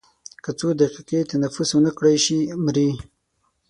که څو دقیقې تنفس ونه کړای شي مري.